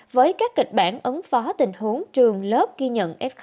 với các kịch bản ứng phó tình huống trường lớp ghi nhận f hai